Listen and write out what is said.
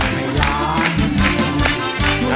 ตอบตอบตอบตอบตอบตอบ